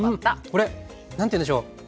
これ何て言うんでしょう。